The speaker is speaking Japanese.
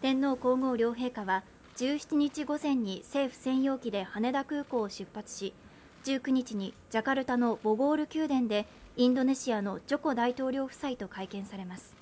天皇・皇后両陛下は１７日午前に政府専用機で羽田空港を出発し１９日にジャカルタのボゴール宮殿でインドネシアのジョコ大統領夫妻と会見されます。